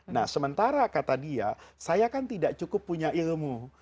nah sementara kata dia saya kan tidak cukup punya ilmu